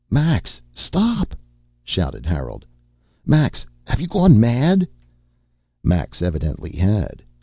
"Max! Stop!" shouted Harold. "Max have you gone mad?" Max evidently had.